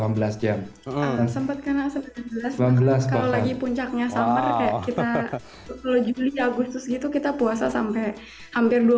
sempat kan delapan belas jam kalau lagi puncaknya summer kalau juli agustus gitu kita puasa sampai hampir dua puluh jam